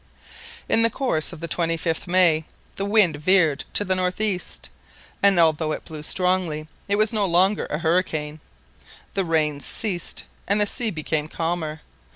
In the course of the 25th May, the wind veered to the north east, and although it blew strongly, it was no longer a hurricane; the rain ceased, and the sea became calmer.